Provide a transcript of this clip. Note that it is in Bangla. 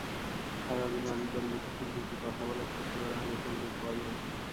সারা দিনে অনেকবার মুঠোফোনটিতে কথা বলার চেষ্টা করা হলেও সংযোগ পাওয়া যায়নি।